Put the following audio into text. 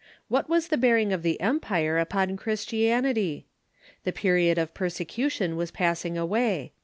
What Avas the bearing of the empire upon Christian ity ? The period of persecution was passing away.